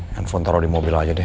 handphone taruh di mobil aja deh